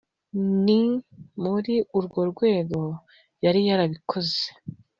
ni muri urwo rwego yari yarabikoze